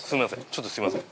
ちょっとすいません。